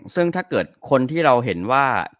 ซึ่งถ้าเกิดคนที่เราเห็นว่ากรีลิชส์